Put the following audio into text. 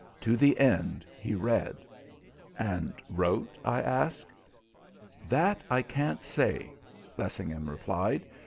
To the end he read." "And wrote?" I asked. "That I can't say," Lessingham replied.